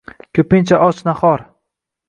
Ko`pincha och-nahor